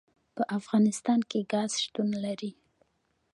په افغانستان کې ګاز شتون لري.